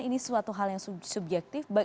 ini suatu hal yang subjektif